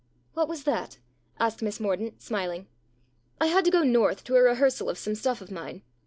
"What was that?" asked Miss Mordaunt, smiling. " I had to go North to a rehearsal of some stuff of mine.